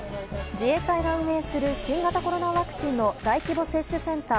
自衛隊が運営する新型コロナワクチンの大規模接種センター